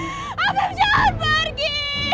afif jangan pergi